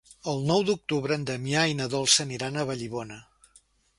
El nou d'octubre na Damià i na Dolça aniran a Vallibona.